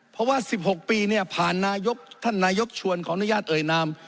เพราะว่า๑๖ปีเนี่ยผ่านนายกท่านนายกชวนขออนุญาตเอ่ยนาม